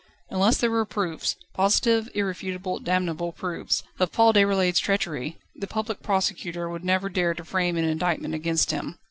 Unless there were proofs positive, irrefutable, damnable proofs of Paul Déroulède's treachery, the Public Prosecutor would never dare to frame an indictment against him.